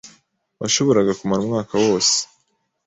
washoboraga kumara umwaka wose